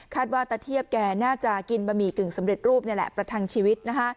ว่าตะเทียบแกน่าจะกินบะหมี่กึ่งสำเร็จรูปนี่แหละประทังชีวิต